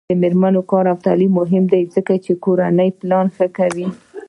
د میرمنو کار او تعلیم مهم دی ځکه چې کورنۍ پلان ښه کوي.